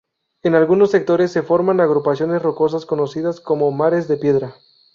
En algunos sectores se forman agrupaciones rocosas conocidas como mares de piedra.